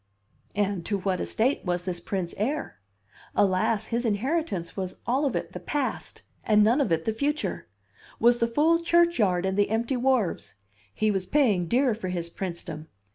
And to what estate was this prince heir? Alas, his inheritance was all of it the Past and none of it the Future; was the full churchyard and the empty wharves! He was paying dear for his princedom!